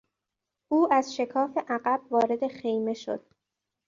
او از شکاف عقب وارد خیمه شد.